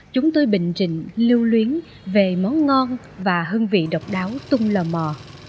chúng tôi bình trịnh lưu luyến về món ngon và hương vị độc đáo tung lờ mò